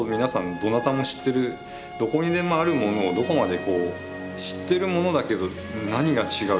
どなたも知ってるどこにでもあるものをどこまでこう知ってるものだけど何が違う？